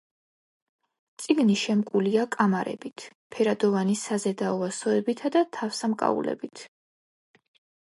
წიგნი შემკულია კამარებით, ფერადოვანი საზედაო ასოებითა და თავსამკაულებით.